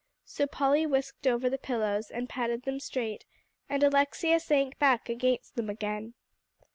So Polly whisked over the pillows, and patted them straight, and Alexia sank back against them again.